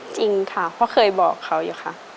จริงค่ะเพราะเคยบอกเขาอยู่ค่ะ